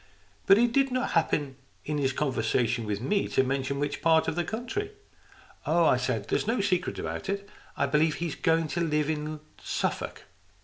" But he did not happen in his conversation with me to mention what part of the country." "Oh," I said, "there's no secret about it, I believe. He's going to live in Suffolk."